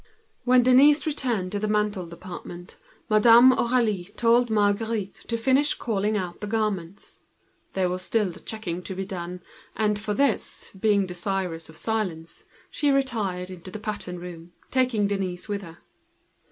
When Denise returned to the ready made department Madame Aurélie left Marguerite to finish calling out the garments. There was still a lot of checking to be done, for which, desirous of silence, she retired into the pattern room, taking the young girl with her.